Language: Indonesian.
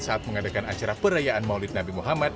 saat mengadakan acara perayaan maulid nabi muhammad